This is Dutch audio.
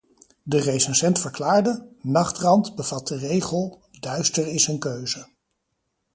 De recensent verklaarde: "'Nachtrand' bevat de regel: 'Duister is een keuze.'"